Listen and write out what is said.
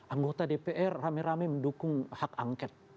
anggota dpr rame rame mendukung hak angket